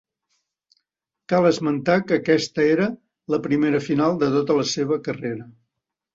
Cal esmentar que aquesta era la primera final de tota la seua carrera.